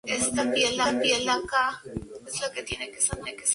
Deleitosa cuenta con un consultorio de atención primaria.